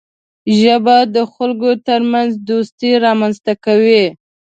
ژبه د خلکو ترمنځ دوستي رامنځته کوي